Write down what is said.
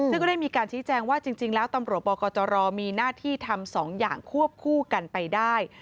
ซึ่งก็ได้มีการชี้แจงว่าจริงแล้วตำรวจปกจรมีหน้าที่ทำ๒อย่างควบคู่กันไปได้